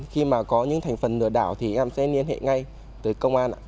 khi mà có những thành phần lừa đảo thì em sẽ liên hệ ngay tới công an ạ